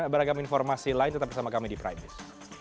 beragam informasi lain tetap bersama kami di prime news